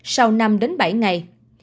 sau năm đến bảy ngày